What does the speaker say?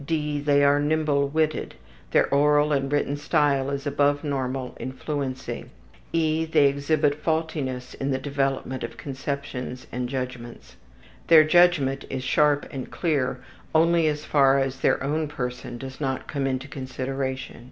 (d) They are nimble witted. Their oral and written style is above normal in fluency. (e) They exhibit faultiness in the development of conceptions and judgments. Their judgment is sharp and clear only as far as their own person does not come into consideration.